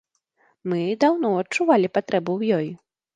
Мы даўно адчувалі патрэбу ў ёй.